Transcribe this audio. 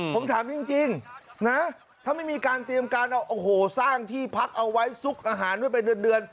ผมถามจริงนะถ้าไม่มีการเตรียมการเอาโอ้โหสร้างที่พักเอาไว้ซุกอาหารไว้เป็นเดือน